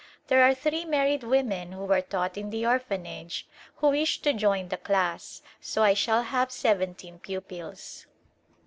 There are three married women who were taught in the Orphanage who wish to join the class, so I shall have seventeen pupils.